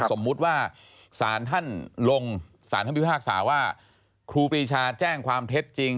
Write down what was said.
สมมุติว่าสารท่านลงสารท่านพิพากษาว่าครูปรีชาแจ้งความเท็จจริง